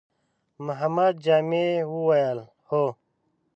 محمد جامي وويل: هو!